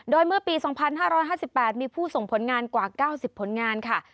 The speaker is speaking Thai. โดยเมื่อปี๒๕๕๘มีผู้ส่งผลงานกว่า๙๐ผลงานค่ะ